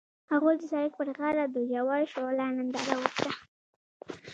هغوی د سړک پر غاړه د ژور شعله ننداره وکړه.